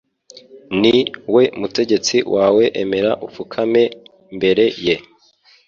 Ni we mutegetsi wawe emera upfukame imbere ye